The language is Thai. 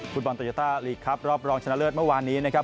โตโยต้าลีกครับรอบรองชนะเลิศเมื่อวานนี้นะครับ